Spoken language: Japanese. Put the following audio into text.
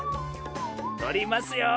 とりますよ。